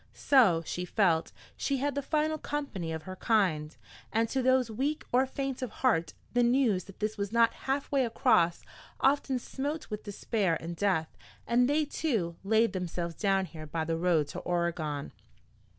So, she felt, she had the final company of her kind. And to those weak or faint of heart the news that this was not halfway across often smote with despair and death, and they, too, laid themselves down here by the road to Oregon.